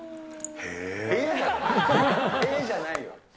へーじゃないよ。